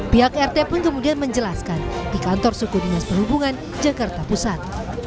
pihak rt pun kemudian menjelaskan di kantor suku dinas perhubungan jakarta pusat